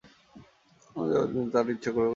আর তারা যা অর্জন করেনি তার ইচ্ছে করেছে।